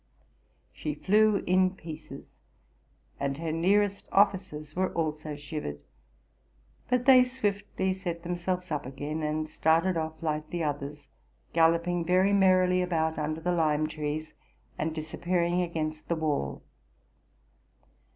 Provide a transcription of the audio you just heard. She flew in pieces, and her nearest officers were also shivered. But they swiftly set themselves up again, and started off like the others, gallop ing very merrily about under the lime trees, and disappear ing against the wall.